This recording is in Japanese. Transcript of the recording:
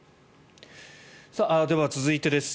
では、続いてです。